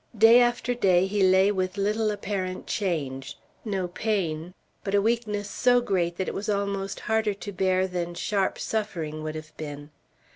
Day after day he lay with little apparent change; no pain, but a weakness so great that it was almost harder to bear than sharp suffering would have been.